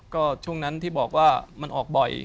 ก็ช่วงนั้นที่บอกว่ามันออกบ่อย